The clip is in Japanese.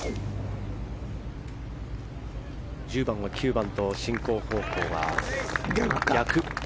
１０番は９番と進行方向が逆。